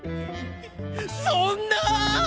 そんなぁ！